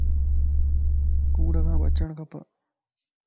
ڪوڙ کان بچڻ کپ